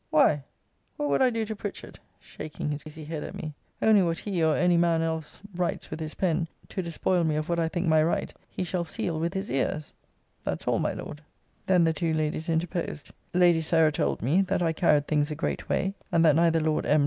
Why, what would I do to Pritchard? shaking his crazy head at me. Only, what he, or any man else, writes with his pen, to despoil me of what I think my right, he shall seal with his ears; that's all, my Lord. Then the two Ladies interposed. Lady Sarah told me, that I carried things a great way; and that neither Lord M.